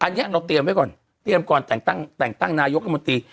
อันนี้เราเตรียมไว้ก่อนเตรียมก่อนแต่งตั้งนายกรัฐมนตรี